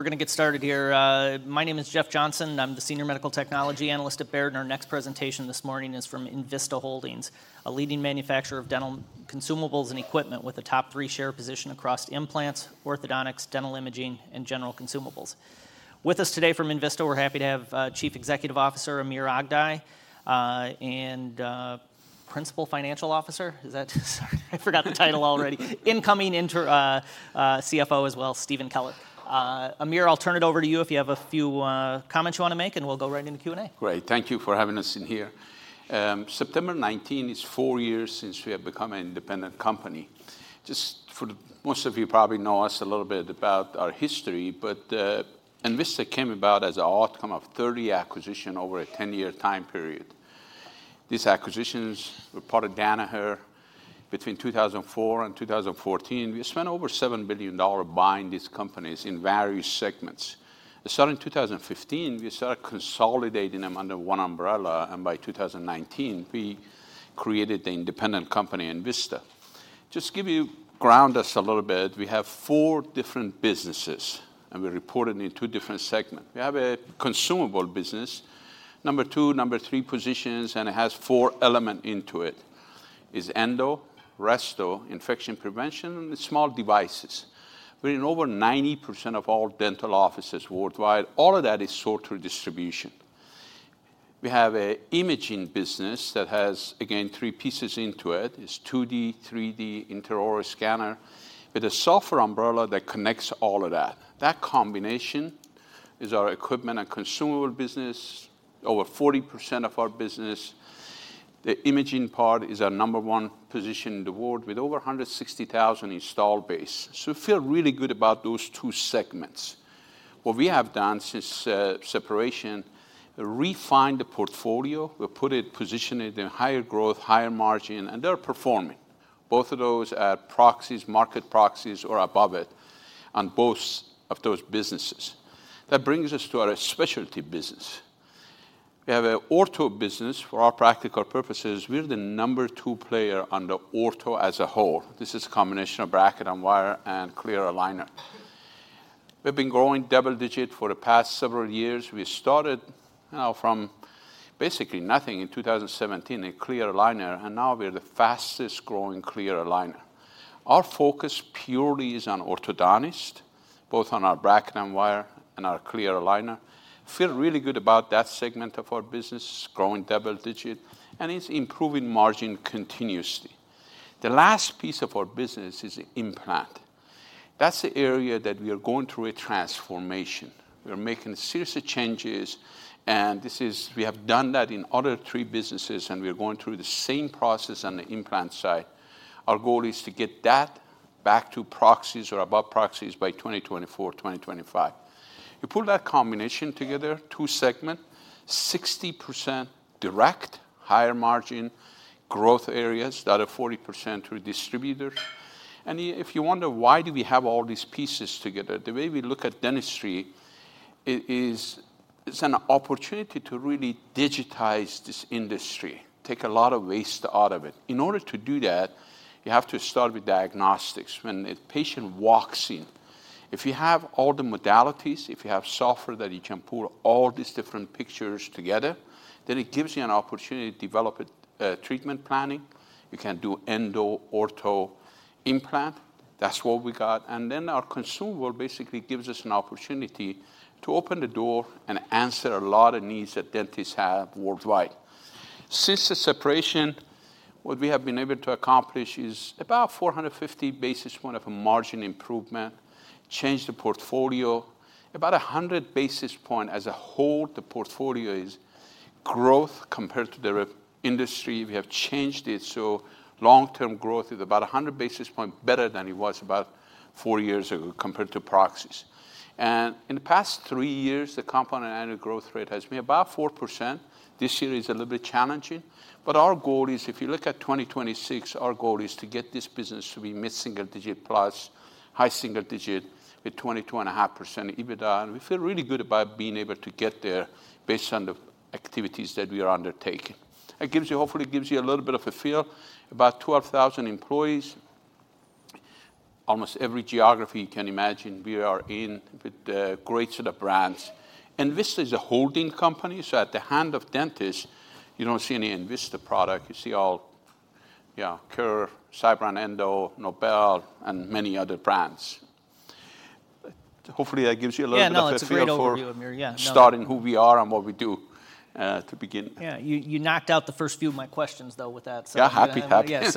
We're gonna get started here. My name is Jeff Johnson, and I'm the Senior Medical Technology Analyst at Baird. Our next presentation this morning is from Envista Holdings, a leading manufacturer of dental consumables and equipment with a top-three share position across implants, orthodontics, dental imaging, and general consumables. With us today from Envista, we're happy to have Chief Executive Officer Amir Aghdaei and Principal Financial Officer, incoming interim CFO as well, Stephen Keller. Amir, I'll turn it over to you if you have a few comments you wanna make, and we'll go right into Q&A. Great. Thank you for having us in here. September 19 is 4 years since we have become an independent company. Just for the—most of you probably know us a little bit about our history, but, Envista came about as an outcome of 30 acquisitions over a 10-year time period. These acquisitions were part of Danaher between 2004 and 2014. We spent over $7 billion buying these companies in various segments. Starting 2015, we started consolidating them under one umbrella, and by 2019, we created the independent company, Envista. Just give you, ground us a little bit, we have 4 different businesses, and we're reported in 2 different segments. We have a consumable business, number two, number three positions, and it has 4 elements into it. It's endo, resto, infection prevention, and small devices. We're in over 90% of all dental offices worldwide. All of that is sold through distribution. We have an imaging business that has, again, three pieces into it. It's 2D, 3D, intraoral scanner, with a software umbrella that connects all of that. That combination is our equipment and consumable business, over 40% of our business. The imaging part is our number one position in the world with over 160,000 install base. So we feel really good about those two segments. What we have done since separation, refined the portfolio. We position it in higher growth, higher margin, and they're performing. Both of those at proxies, market proxies, or above it on both of those businesses. That brings us to our specialty business. We have an ortho business. For all practical purposes, we're the number two player on the ortho as a whole. This is a combination of bracket and wire clear aligner. we've been growing double-digit for the past several years. We started from basically nothing in 2017 clear aligner, and now we're the fastest- clear aligner. our focus purely is on orthodontist, both on our bracket and wire and clear aligner. feel really good about that segment of our business, growing double-digit, and it's improving margin continuously. The last piece of our business is the implant. That's the area that we are going through a transformation. We are making serious changes, and this is—we have done that in other three businesses, and we are going through the same process on the implant side. Our goal is to get that back to proxies or above proxies by 2024, 2025. You put that combination together, two-segment, 60% direct, higher margin growth areas, the other 40% through distributors. If you wonder why we have all these pieces together, the way we look at dentistry is it's an opportunity to really digitize this industry, take a lot of waste out of it. In order to do that, you have to start with diagnostics. When a patient walks in, if you have all the modalities, if you have software that you can pull all these different pictures together, then it gives you an opportunity to develop a treatment planning. You can do endo, ortho, implant. That's what we got. And then our consumable basically gives us an opportunity to open the door and answer a lot of needs that dentists have worldwide. Since the separation, what we have been able to accomplish is about 450 basis points of a margin improvement, change the portfolio. About 100 basis points as a whole, the portfolio is growth compared to the reference industry. We have changed it, so long-term growth is about 100 basis points better than it was about 4 years ago, compared to proxies. In the past 3 years, the compound annual growth rate has been about 4%. This year is a little bit challenging, but our goal is, if you look at 2026, our goal is to get this business to be mid-single digit plus, high single digit with 22.5% EBITDA, and we feel really good about being able to get there based on the activities that we are undertaking. It gives you- hopefully, it gives you a little bit of a feel. About 12,000 employees. Almost every geography you can imagine, we are in with a great set of brands. Envista is a holding company, so at the hand of dentist, you don't see any Envista product. You see all, yeah, Kerr, SybronEndo, Nobel, and many other brands. Hopefully, that gives you a little bit of a feel for- Yeah, no, that's a great overview, Amir. Yeah, no Starting who we are and what we do, to begin. Yeah, you knocked out the first few of my questions, though, so. Yeah, happy, happy. Yeah,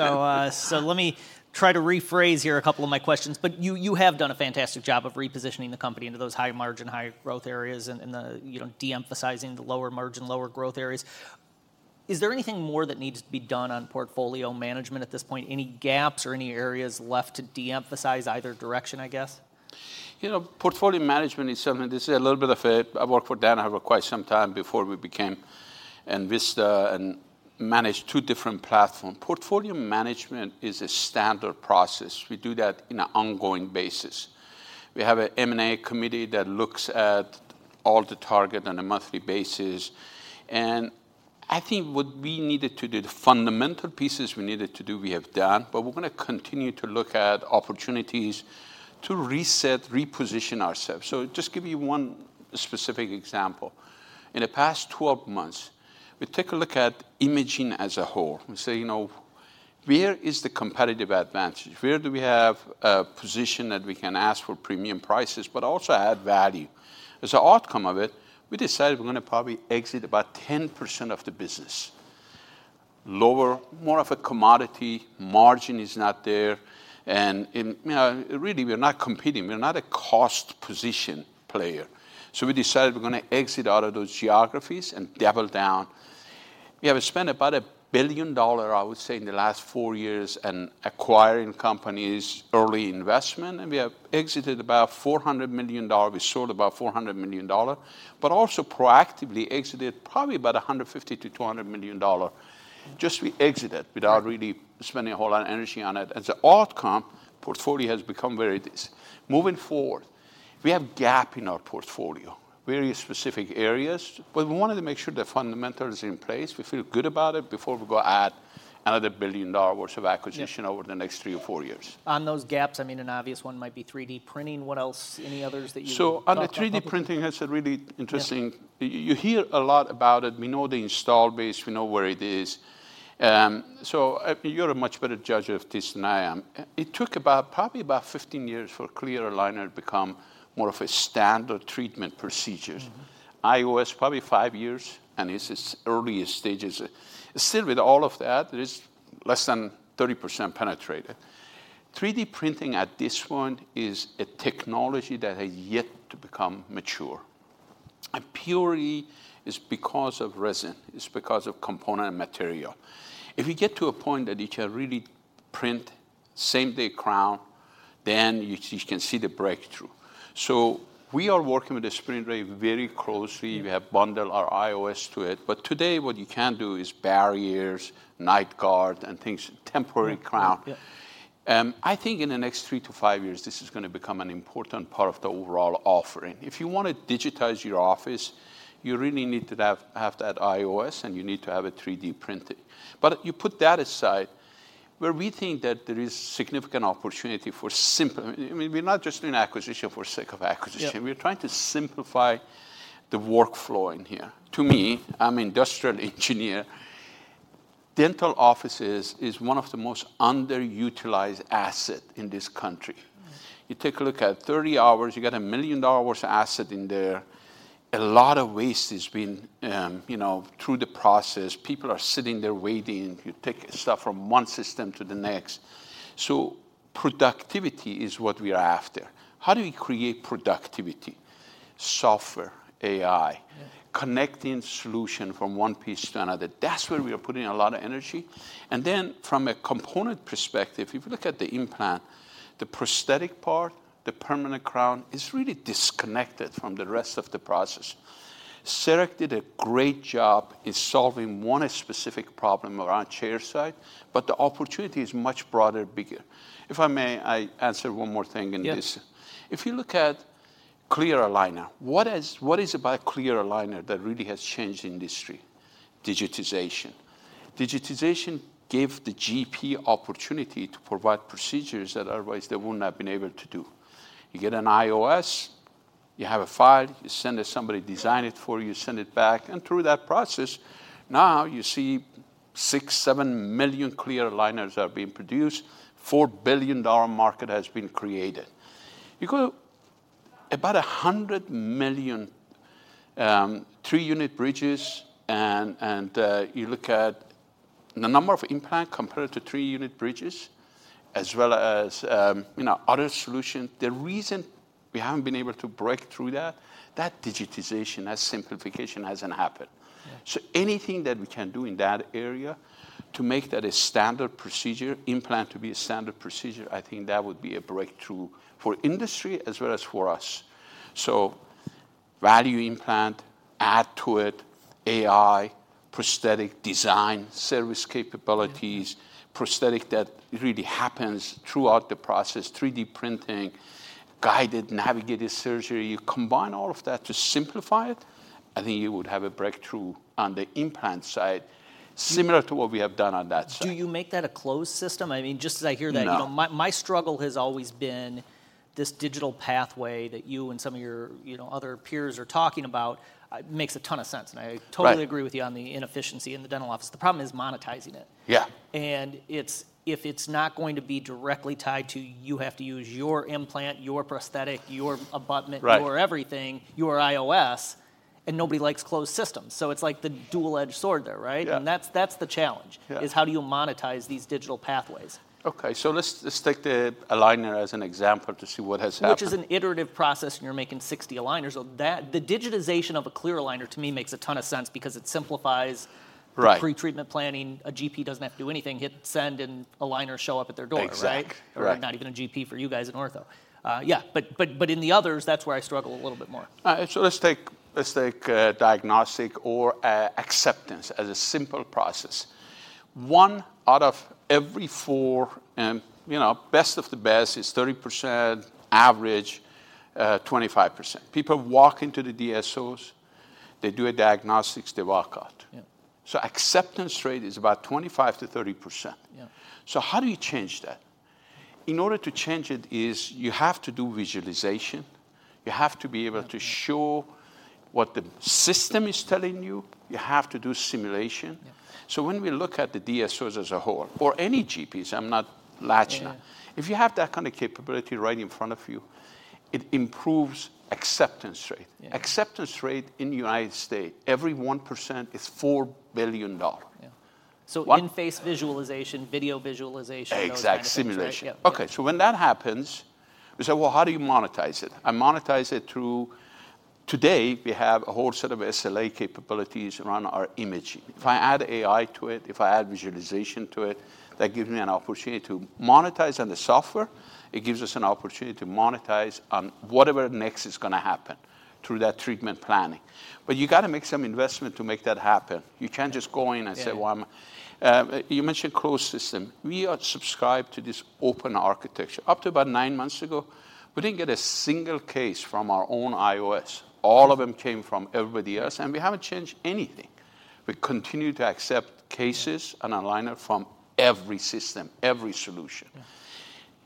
so let me try to rephrase here a couple of my questions, but you have done a fantastic job of repositioning the company into those high-margin, high-growth areas and the, you know, de-emphasizing the lower-margin, lower-growth areas. Is there anything more that needs to be done on portfolio management at this point? Any gaps or any areas left to de-emphasize either direction, I guess? You know, portfolio management is something. This is a little bit of a – I worked for Danaher for quite some time before we became Envista and managed two different platform. Portfolio management is a standard process. We do that in an ongoing basis. We have a M&A committee that looks at all the target on a monthly basis, and. I think what we needed to do, the fundamental pieces we needed to do, we have done, but we're gonna continue to look at opportunities to reset, reposition ourselves. So just give you one specific example. In the past 12 months, we take a look at imaging as a whole, and say: You know, where is the competitive advantage? Where do we have a position that we can ask for premium prices, but also add value? As an outcome of it, we decided we're gonna probably exit about 10% of the business. Lower, more of a commodity, margin is not there, and, and, you know, really, we are not competing. We are not a cost position player. So we decided we're gonna exit out of those geographies and double down. We have spent about $1 billion, I would say, in the last four years in acquiring companies, early investment, and we have exited about $400 million. We sold about $400 million, but also proactively exited probably about $150 million-$200 million. Just we exited without really spending a whole lot of energy on it. As an outcome, portfolio has become where it is. Moving forward, we have gap in our portfolio, very specific areas, but we wanted to make sure the fundamental is in place. We feel good about it before we go add another billion-dollar worth of acquisition over the next three or four years. On those gaps, I mean, an obvious one might be 3D printing. What else? Any others that you So on the 3D printing, that's a really interesting. You hear a lot about it. We know the install base, we know where it is. So, you're a much better judge of this than I am. It took about, probably about 15 years clear aligner to become more of a standard treatment procedure. IOS, probably five years, and it's in its earliest stages. Still, with all of that, it is less than 30% penetrated. 3D printing at this point is a technology that has yet to become mature, and purely it's because of resin, it's because of component and material. If you get to a point that you can really print same-day crown, then you can see the breakthrough. So we are working with SprintRay very closely. We have bundled our IOS to it, but today what you can do is barriers, night guard, and things, temporary crown. I think in the next 3-5 years, this is gonna become an important part of the overall offering. If you want to digitize your office, you really need to have that IOS, and you need to have a 3D printer. But you put that aside, where we think that there is significant opportunity for simple, I mean, we're not just doing acquisition for sake of acquisition. We're trying to simplify the workflow in here. To me, I'm industrial engineer, dental offices is one of the most underutilized asset in this country. You take a look at 30 hours, you got a $1 million worth of asset in there. A lot of waste has been, you know, through the process. People are sitting there waiting. You take stuff from one system to the next. So productivity is what we are after. How do we create productivity? Software, AI, connecting solution from one piece to another. That's where we are putting a lot of energy. And then, from a component perspective, if you look at the implant, the prosthetic part, the permanent crown is really disconnected from the rest of the process. CEREC did a great job in solving one specific problem around chairside, but the opportunity is much broader, bigger. If I may, I answer one more thing in this? If you look clear aligner, what is, what is it clear aligner that really has changed the industry? Digitization. Digitization gave the GP opportunity to provide procedures that otherwise they would not been able to do. You get an IOS, you have a file, you send it, somebody design it for you, send it back, and through that process, now you see clear aligners are being produced, $4 billion market has been created. You go about 100 million three-unit bridges, and you look at the number of implant compared to three-unit bridges, as well as, you know, other solutions. The reason we haven't been able to break through that, that digitization, that simplification hasn't happened. So anything that we can do in that area to make that a standard procedure, implant to be a standard procedure, I think that would be a breakthrough for industry as well as for us. So value implant, add to it AI, prosthetic design, service capabilities, prosthetic that really happens throughout the process, 3D printing, guided, navigated surgery. You combine all of that to simplify it, I think you would have a breakthrough on the implant side, similar to what we have done on that side. Do you make that a closed system? I mean, just as I hear that. No. You know, my struggle has always been this digital pathway that you and some of your, you know, other peers are talking about. Makes a ton of sense, and I totally agree with you on the inefficiency in the dental office. The problem is monetizing it. It's if it's not going to be directly tied to you have to use your implant, your prosthetic, your abutment, your everything, your IOS, and nobody likes closed systems. So it's like the dual-edged sword there, right? And that's, that's the challenge is how do you monetize these digital pathways? Okay, so let's take the aligner as an example to see what has happened. Which is an iterative process, and you're making 60 aligners. So that, the digitization of clear aligner, to me, makes a ton of sense because it simplifies the pre-treatment planning. A GP doesn't have to do anything. Hit send, and aligners show up at their door, right? Exactly. Right. Not even a GP for you guys in ortho. Yeah, but in the others, that's where I struggle a little bit more. So let's take, let's take, diagnostic or acceptance as a simple process. One out of every 4, and, you know, best of the best is 30%, average, 25%. People walk into the DSOs, they do a diagnostics, they walk out. Acceptance rate is about 25%-30%. How do you change that? In order to change it, is you have to do visualization, you have to be able to show what the system is telling you, you have to do simulation. So when we look at the DSOs as a whole, or any GPs, I'm not latching on, if you have that kind of capability right in front of you, it improves acceptance rate. Acceptance rate in the United States, every 1% is $4 billion. So, in-face visualization, video visualization. Exactly. Those kind of things, right? Simulation. Okay, so when that happens, we say, "Well, how do you monetize it?" I monetize it through... Today, we have a whole set of SLA capabilities around our imaging. If I add AI to it, if I add visualization to it, that gives me an opportunity to monetize on the software. It gives us an opportunity to monetize on whatever next is gonna happen through that treatment planning. But you got to make some investment to make that happen. You can't just go in and say, "Well, I'm. You mentioned closed system. We are subscribed to this open architecture. Up to about nine months ago, we didn't get a single case from our own IOS. All of them came from everybody else, and we haven't changed anything. We continue to accept cases and aligner from every system, every solution.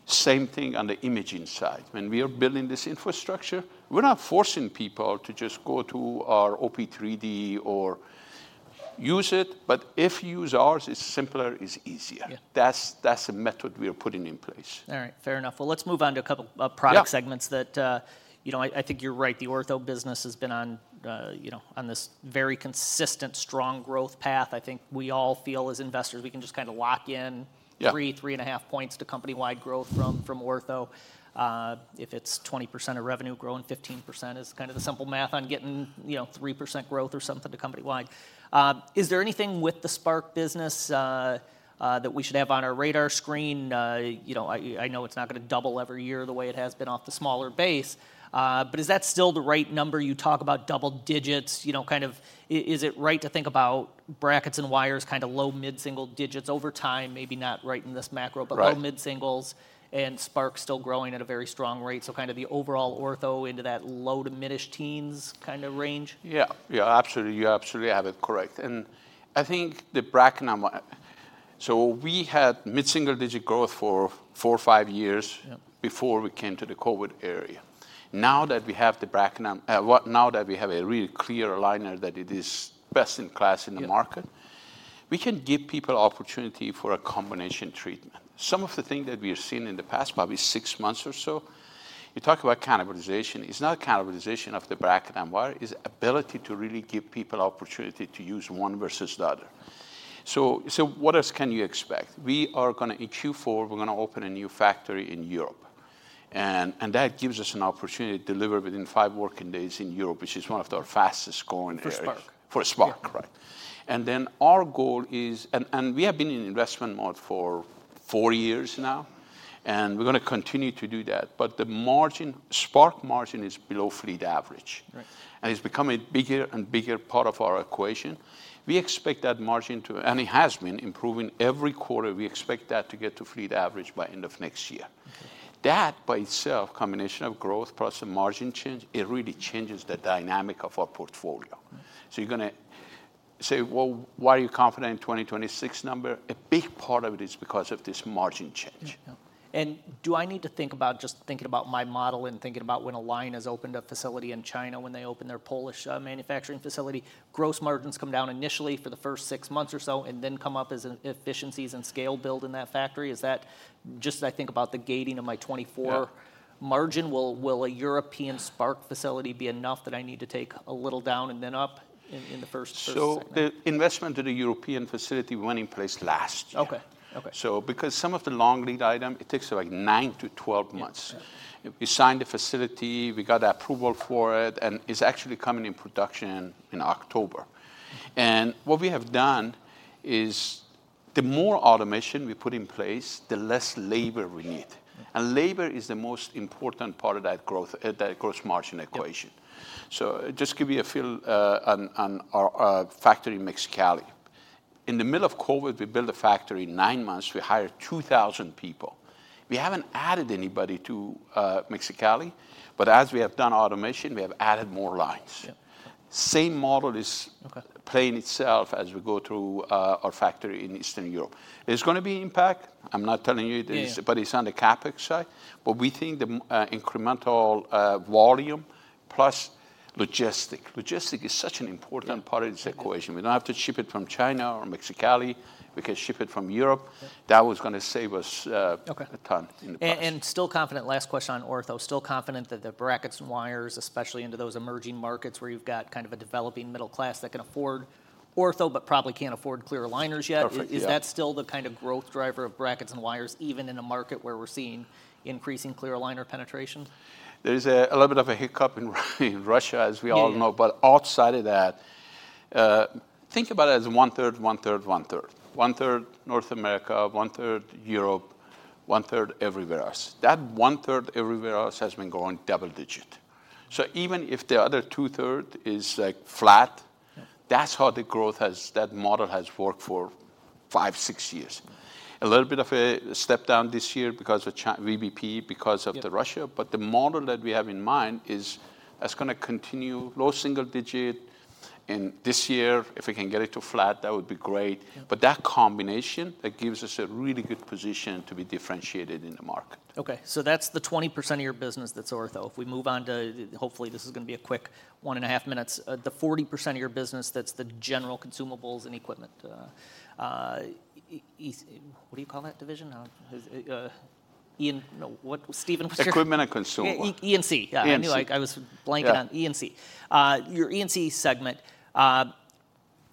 Same thing on the imaging side. When we are building this infrastructure, we're not forcing people to just go to our OP 3D or use it, but if you use ours, it's simpler, it's easier. That's the method we are putting in place. All right. Fair enough. Well, let's move on to a couple of product segments that, you know, I think you're right, the ortho business has been on, you know, on this very consistent, strong growth path. I think we all feel as investors, we can just kind of lock in, 3, 3.5 points to company-wide growth from ortho. If it's 20% of revenue, growing 15% is kind of the simple math on getting, you know, 3% growth or something to company-wide. Is there anything with the Spark business that we should have on our radar screen? You know, I know it's not going to double every year the way it has been off the smaller base, but is that still the right number? You talk about double digits, you know, kind of, is it right to think about brackets and wires, kind of low, mid-single digits over time, maybe not right in this macro, but low mid-singles, and Spark still growing at a very strong rate, so kind of the overall ortho into that low to midish teens kind of range? Yeah. Yeah, absolutely. You absolutely have it correct. And I think the bracket number—So we had mid-single digit growth for 4 or 5 years, before we came to the COVID era. Now that we have a clear aligner, that it is best in class in the market, we can give people opportunity for a combination treatment. Some of the things that we have seen in the past, probably six months or so, you talk about cannibalization. It's not cannibalization of the bracket and wire, it's ability to really give people opportunity to use one versus the other. So, so what else can you expect? We are gonna, in Q4, we're gonna open a new factory in Europe, and, and that gives us an opportunity to deliver within five working days in Europe, which is one of our fastest-growing areas. For Spark? For Spark. Right. And then our goal is. And, and we have been in investment mode for four years now, and we're gonna continue to do that. But the margin, Spark margin is below fleet average. It's becoming bigger and bigger part of our equation. We expect that margin to... It has been improving every quarter. We expect that to get to fleet average by end of next year. That, by itself, combination of growth plus the margin change, it really changes the dynamic of our portfolio. So you're gonna say: "Well, why are you confident in 2026 number?" A big part of it is because of this margin change. Yeah. Yeah. And do I need to think about, just thinking about my model and thinking about when Align has opened a facility in China, when they open their Polish manufacturing facility, gross margins come down initially for the first 6 months or so, and then come up as efficiencies and scale build in that factory. Is that just as I think about the gating of my 2024 margin, will a European Spark facility be enough that I need to take a little down and then up in the first segment? The investment to the European facility went in place last year. Okay, okay. Because some of the long lead item, it takes like 9-12 months. We signed the facility, we got approval for it, and it's actually coming in production in October. What we have done is, the more automation we put in place, the less labor we need. Labor is the most important part of that growth, that gross margin equation. So just give you a feel on our factory in Mexicali. In the middle of COVID, we built a factory. In nine months, we hired 2,000 people. We haven't added anybody to Mexicali, but as we have done automation, we have added more lines. Same model is playing itself as we go through our factory in Eastern Europe. There's gonna be impact. I'm not telling you it is, but it's on the CapEx side. But we think the incremental volume plus logistics. Logistics is such an importantcpart of this equation. We don't have to ship it from China or Mexicali. We can ship it from Europe. That was gonna save us a ton in the process. And still confident, last question on ortho. Still confident that the brackets and wires, especially into those emerging markets, where you've got kind of a developing middle class that can afford ortho, but probably clear aligners yet, is that still the kind of growth driver of brackets and wires, even in a market where we're seeing clear aligner penetration? There's a little bit of a hiccup in Russia, as we all know. But outside of that, think about it as one-third, one-third, one-third. One-third North America, one-third Europe, one-third everywhere else. That one-third everywhere else has been growing double-digit. So even if the other two-thirds is, like, flat, that's how the growth has, that model has worked for 5, 6 years. A little bit of a step down this year because of China VBP, because of the Russia, but the model that we have in mind is, that's gonna continue low single digit, and this year, if we can get it to flat, that would be great. But that combination, that gives us a really good position to be differentiated in the market. Okay, so that's the 20% of your business that's ortho. If we move on to, hopefully, this is gonna be a quick 1.5 minutes, the 40% of your business, that's the general consumables and equipment. What do you call that division now? Ian, no, what, Steven, what's your, Equipment and Consumer. E- E&C. E&C. Yeah, I knew I was blanking on E&C. Your E&C segment,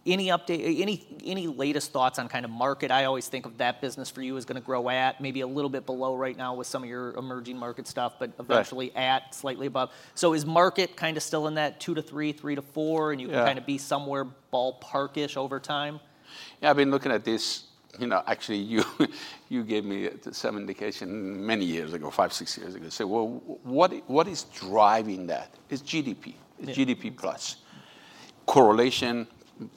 any update, any latest thoughts on kind of market? I always think of that business for you is gonna grow at, maybe a little bit below right now with some of your emerging market stuff but eventually at, slightly above. So is market kind of still in that 2-3, 3-4- and you can kind of be somewhere ballpark-ish over time? Yeah, I've been looking at this, you know, actually, you gave me some indication many years ago, five, six years ago, said, "Well, what is driving that?" It's GDP. It's GDP plus. Correlation,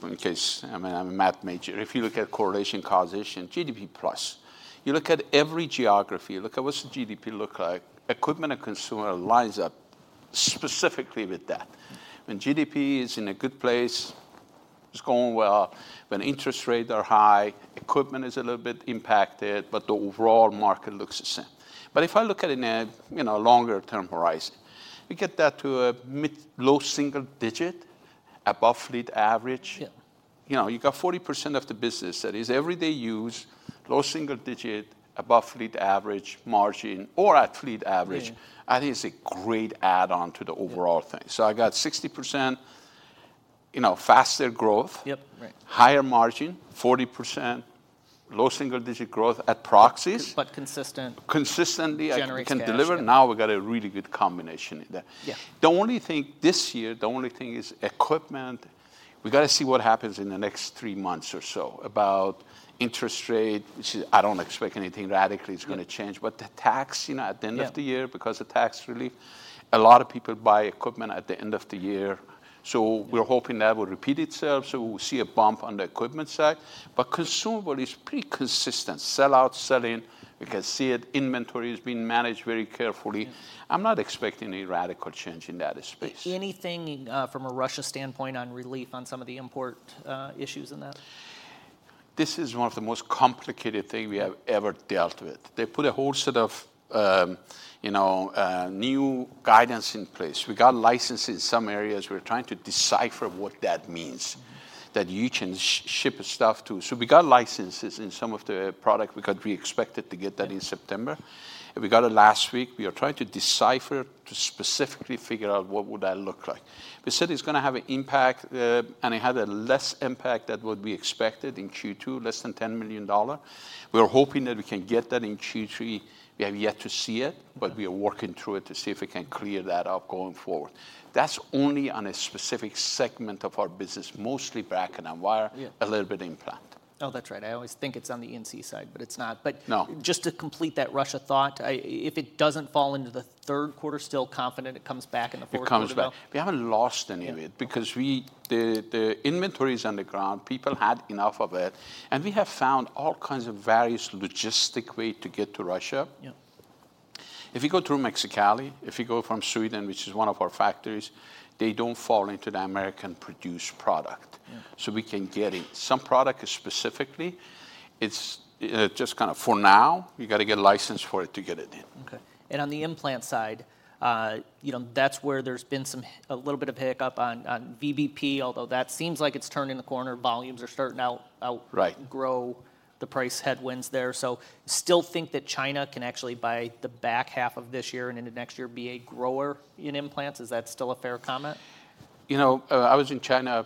in case, I mean, I'm a math major, if you look at correlation, causation, GDP plus. You look at every geography, you look at what's the GDP look like, equipment and consumables line up specifically with that. When GDP is in a good place, it's going well. When interest rates are high, equipment is a little bit impacted, but the overall market looks the same. But if I look at it in a, you know, longer-term horizon, we get that to a mid- to low-single-digit, above fleet average. You know, you got 40% of the business that is everyday use, low single digit, above fleet average margin, or at fleet average, I think it's a great add-on to the overall thing. So I got 60%, you know, faster growth, higher margin, 40%, low single-digit growth at proxies. But consistent- Consistently, I. Generates cash. Can deliver. Now we've got a really good combination in that. The only thing, this year, the only thing is equipment. We've got to see what happens in the next three months or so about interest rate. I don't expect anything radically is gonna change, but the tax, you know, at the end of the year because of tax relief, a lot of people buy equipment at the end of the year. So we're hoping that will repeat itself, so we'll see a bump on the equipment side. But consumable is pretty consistent. Sell out, sell in, you can see it, inventory is being managed very carefully. I'm not expecting any radical change in that space. Anything from a Russia standpoint on relief on some of the import issues in that? This is one of the most complicated thing we have ever dealt with. They put a whole set of, you know, new guidance in place. We got licensed in some areas. We're trying to decipher what that means, that you can ship stuff to. So we got licenses in some of the product. We expected to get that in September, and we got it last week. We are trying to decipher, to specifically figure out what would that look like. They said it's gonna have an impact, and it had a less impact than what we expected in Q2, less than $10 million. We are hoping that we can get that in Q3. We have yet to see it, but we are working through it to see if we can clear that up going forward. That's only on a specific segment of our business, mostly bracket and wire, a little bit implant. Oh, that's right. I always think it's on the E&C side, but it's not. Just to complete that Russia thought, if it doesn't fall into the third quarter, still confident it comes back in the fourth quarter, though? It comes back. We haven't lost any of it because we, the inventory is on the ground. People had enough of it, and we have found all kinds of various logistic way to get to Russia. If you go through Mexicali, if you go from Sweden, which is one of our factories, they don't fall into the American-produced product. We can get it. Some product is specifically just kind of for now, you gotta get a license for it to get it in. Okay. And on the implant side, you know, that's where there's been some a little bit of hiccup on, on VBP, although that seems like it's turning the corner, volumes are starting to out, out grow, the price headwinds there. So still think that China can actually, by the back half of this year and into next year, be a grower in implants? Is that still a fair comment? You know, I was in China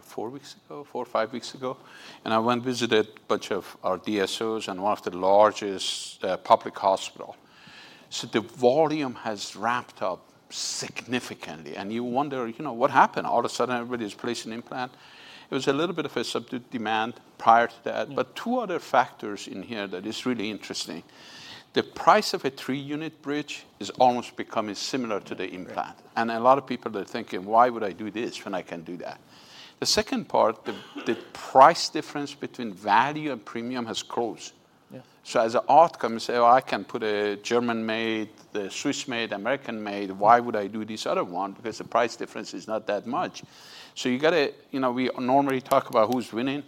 4 weeks ago, 4 or 5 weeks ago, and I went and visited a bunch of our DSOs and one of the largest public hospital. So the volume has ramped up significantly, and you wonder, you know, "What happened? All of a sudden, everybody's placing implant." It was a little bit of a subdued demand prior to that. But two other factors in here that is really interesting: The price of a 3-unit bridge is almost becoming similar to the implant. A lot of people are thinking, "Why would I do this when I can do that?" The second part, the price difference between value and premium has closed. So as an outcome, you say, "Well, I can put a German-made, the Swiss-made, American-made, why would I do this other one? Because the price difference is not that much." So you gotta... You know, we normally talk about who's winning.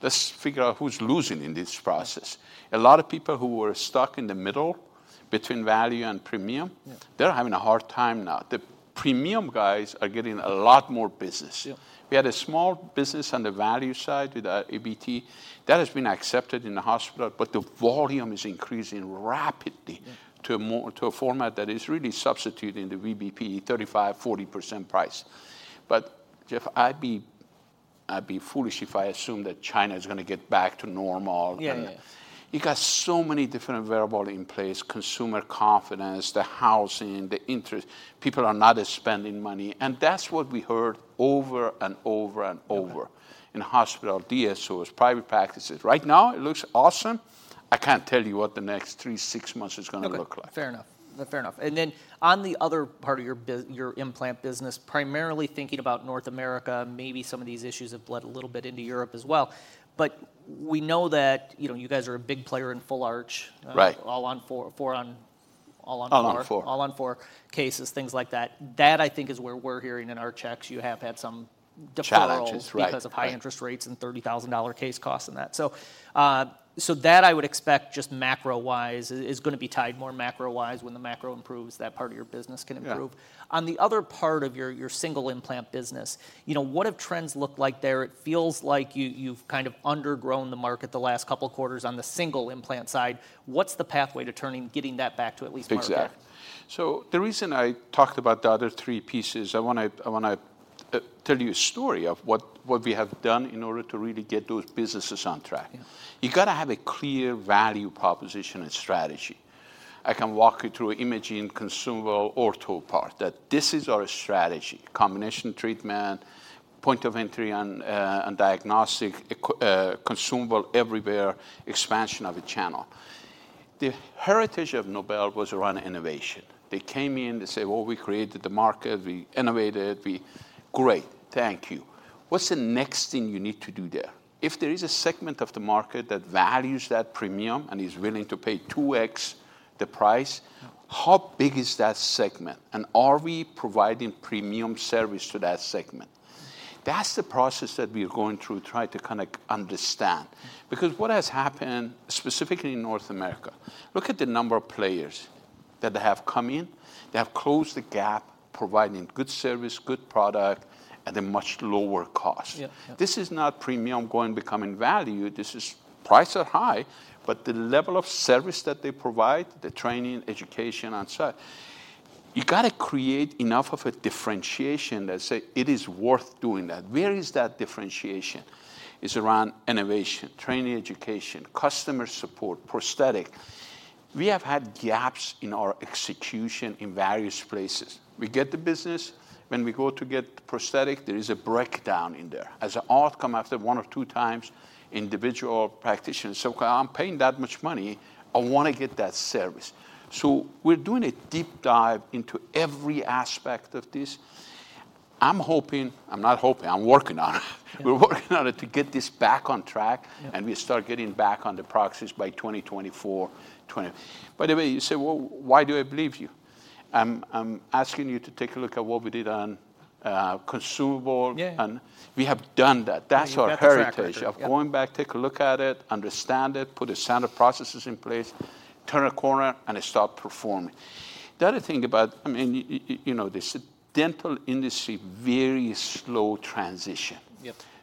Let's figure out who's losing in this process. A lot of people who were stuck in the middle between value and premium, they're having a hard time now. The premium guys are getting a lot more business. We had a small business on the value side with our ABT. That has been accepted in the hospital, but the volume is increasing rapidly to a format that is really substituting the VBP 35%-40% price. But Jeff, I'd be foolish if I assume that China is gonna get back to normal. You got so many different variables in place, consumer confidence, the housing, the interest. People are not spending money, and that's what we heard over and over and over in hospital, DSOs, private practices. Right now, it looks awesome. I can't tell you what the next 3, 6 months is gonna look like. Okay, fair enough. Fair enough. And then on the other part of your implant business, primarily thinking about North America, maybe some of these issues have bled a little bit into Europe as well. But we know that, you know, you guys are a big player in full arch. All-on-4 All-on-4 All-on-4 cases, things like that. That, I think, is where we're hearing in our checks, you have had some deferrals. Challenges, right Because of high interest rates and $30,000 case costs and that. So, so that I would expect just macro-wise, is gonna be tied more macro-wise. When the macro improves, that part of your business can improve. On the other part of your single implant business, you know, what have trends looked like there? It feels like you, you've kind of undergrown the market the last couple quarters on the single implant side. What's the pathway to getting that back to at least market? Exactly. So the reason I talked about the other three pieces, I wanna tell you a story of what we have done in order to really get those businesses on track. You've gotta have a clear value proposition and strategy. I can walk you through imaging, consumable, ortho part, that this is our strategy: combination treatment, point of entry and diagnostic, consumable everywhere, expansion of the channel. The heritage of Nobel was around innovation. They came in, they say, "Well, we created the market, we innovated, we..." Great, thank you. What's the next thing you need to do there? If there is a segment of the market that values that premium and is willing to pay 2x the price, how big is that segment? And are we providing premium service to that segment? That's the process that we are going through, try to kind of understand. Because what has happened, specifically in North America, look at the number of players that have come in. They have closed the gap, providing good service, good product, at a much lower cost. This is not premium going, becoming value. This is, prices are high, but the level of service that they provide, the training, education, and such, you've gotta create enough of a differentiation that say it is worth doing that. Where is that differentiation? It's around innovation, training, education, customer support, prosthetic. We have had gaps in our execution in various places. We get the business. When we go to get prosthetic, there is a breakdown in there. As an outcome, after one or two times, individual practitioners say: "Well, I'm paying that much money, I wanna get that service." So we're doing a deep dive into every aspect of this. I'm hoping... I'm not hoping, I'm working on it. We're working on it to get this back on track and we start getting back on the proxies by 2024, 20. By the way, you say, "Well, why do I believe you?" I'm, I'm asking you to take a look at what we did on, consumable and we have done that. Yeah, you've got the track record. That's our heritage, of going back, take a look at it, understand it, put the standard processes in place, turn a corner, and start performing. The other thing about, I mean, you know this, dental industry, very slow transition.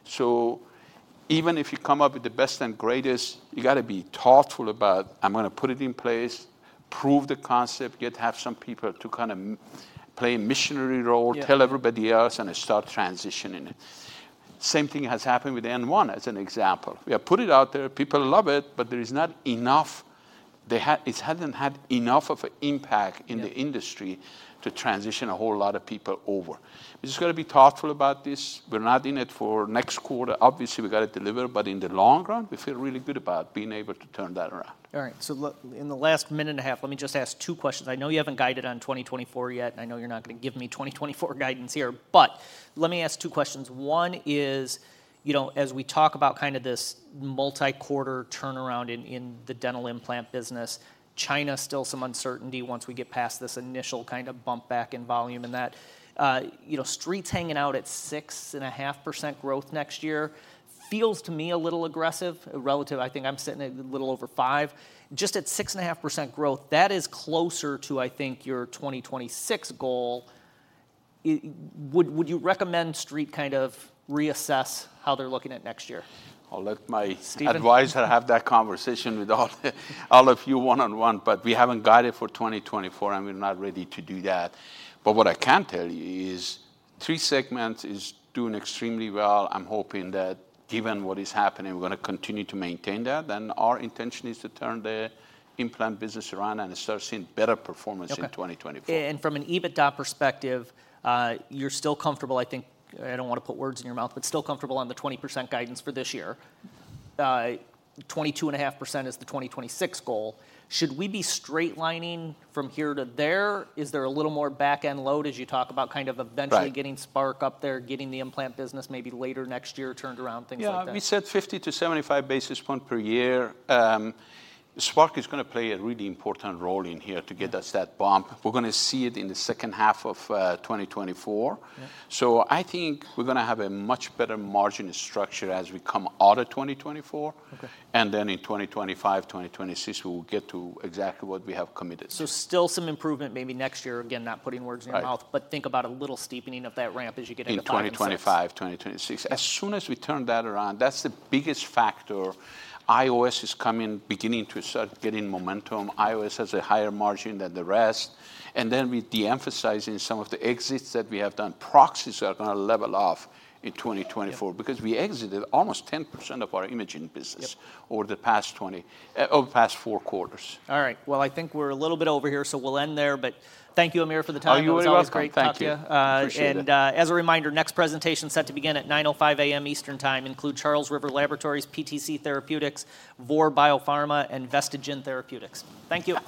So even if you come up with the best and greatest, you gotta be thoughtful about, "I'm gonna put it in place, prove the concept, have some people to kind of play a missionary role, tell everybody else, and start transitioning it." Same thing has happened with N1, as an example. We have put it out there, people love it, but there is not enough-- it hasn't had enough of an impact in the industry to transition a whole lot of people over. We just gotta be thoughtful about this. We're not in it for next quarter. Obviously, we've gotta deliver, but in the long run, we feel really good about being able to turn that around. All right, so in the last minute and a half, let me just ask two questions. I know you haven't guided on 2024 yet. I know you're not gonna give me 2024 guidance here, but let me ask two questions. One is, you know, as we talk about kind of this multi-quarter turnaround in the dental implant business, China, still some uncertainty once we get past this initial kind of bump back in volume and that. You know, Street's hanging out at 6.5% growth next year. Feels to me a little aggressive, relative. I think I'm sitting at a little over 5%. Just at 6.5% growth, that is closer to, I think, your 2026 goal. Would you recommend Street kind of reassess how they're looking at next year? I'll let my advisor have that conversation with all of you one-on-one, but we haven't guided for 2024, and we're not ready to do that. But what I can tell you is, three segments is doing extremely well. I'm hoping that, given what is happening, we're gonna continue to maintain that. Then, our intention is to turn the implant business around and start seeing better performance in 2024. From an EBITDA perspective, you're still comfortable, I think. I don't wanna put words in your mouth, but still comfortable on the 20% guidance for this year. 22.5% is the 2026 goal. Should we be straight lining from here to there? Is there a little more back-end load as you talk about kind of eventually getting Spark up there, getting the implant business maybe later next year turned around, things like that? Yeah, we said 50-75 basis points per year. Spark is gonna play a really important role in here to get us that bump. We're gonna see it in the second half of 2024. I think we're gonna have a much better margin structure as we come out of 2024. And then in 2025, 2026, we will get to exactly what we have committed. Still some improvement maybe next year. Again, not putting words in your mouth but think about a little steepening of that ramp as you get into 2026. In 2025, 2026. As soon as we turn that around, that's the biggest factor. IOS is coming, beginning to start getting momentum. IOS has a higher margin than the rest. And then, we're de-emphasizing some of the exits that we have done. Prosthetics are gonna level off in 2024, because we exited almost 10% of our imaging business over the past 20, over the past 4 quarters. All right. Well, I think we're a little bit over here, so we'll end there, but thank you, Amir, for the time. Oh, you are welcome. It was always great talking to you. Thank you. Appreciate it. As a reminder, next presentation set to begin at 9:05 A.M. Eastern Time, include Charles River Laboratories, PTC Therapeutics, Vor Biopharma, and Vistagen Therapeutics. Thank you.